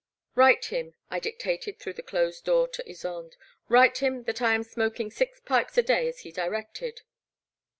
Write him," I dictated through the closed door to Ysonde, —write him that I am smoking six pipes a day as he directed."